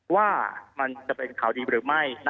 ว่ามันจะเป็นข่าวดีหรือไม่